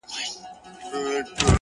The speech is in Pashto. هوډ د سختیو په منځ کې ولاړ وي!.